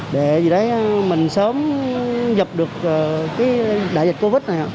tại vì đấy mình sớm dọc được cái đại dịch covid này